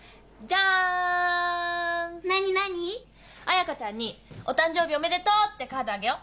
彩香ちゃんにお誕生日おめでとうってカードあげよう。